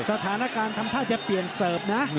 แบร์เบอร์ภารการทำพล่าจะเปลี่ยนเสิร์ฟนะ